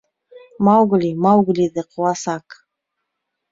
— Маугли Мауглиҙы ҡыуасаҡ.